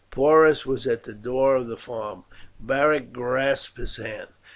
Porus was at the door of the farm; Beric grasped his hand.